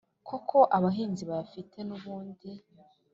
koko abahinzi bayafite n’ubundi